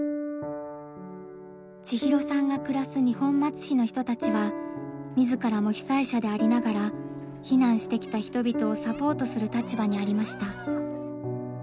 千尋さんが暮らす二本松市の人たちは自らも被災者でありながら避難してきた人々をサポートする立場にありました。